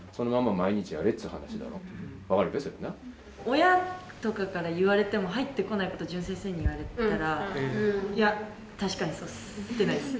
親とかから言われても入ってこないこと淳先生に言われたらいや確かにそうっすってなる。